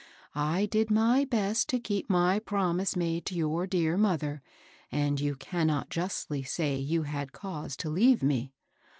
I did my best to keep my promise made to your dear mother^ and you cannot justly say you had cause to leave me."